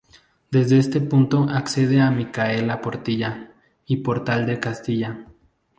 Desde este punto accede a Mikaela Portilla y Portal de Castilla.